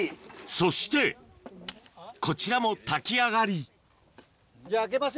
そしてこちらも炊き上がりじゃあ開けますよ